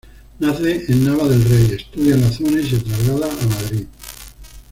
Nace en Nava del Rey, estudia en la zona y se traslada a Madrid.